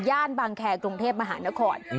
บางแคร์กรุงเทพมหานคร